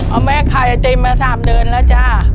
เอาแม่ขายไอติมมา๓เดือนแล้วจ้า